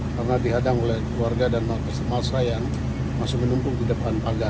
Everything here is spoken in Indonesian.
karena dihadang oleh keluarga dan masyarakat yang masuk menumpuk di depan pagar